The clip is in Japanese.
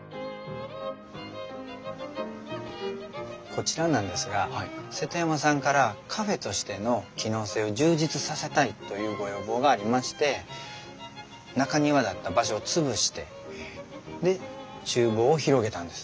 こちらなんですが瀬戸山さんからカフェとしての機能性を充実させたいというご要望がありまして中庭だった場所を潰して厨房を広げたんです。